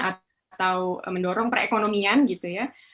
atau mendorong perekonomian gitu ya